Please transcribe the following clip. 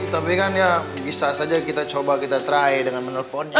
tapi kan ya bisa saja kita coba kita try dengan menelponnya